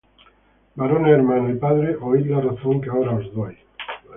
Varones hermanos y padres, oid la razón que ahora os doy.